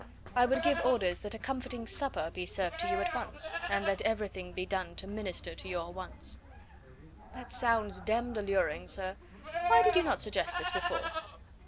I would give orders that a comforting supper be served to you at once, and that everything be done to minister to your wants." "That sounds d d alluring, sir. Why did you not suggest this before?"